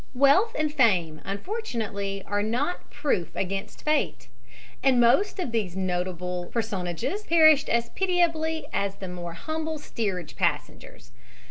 Wealth and fame, unfortunately, are not proof against fate, and most of these notable personages perished as pitiably as the more humble steerage passengers.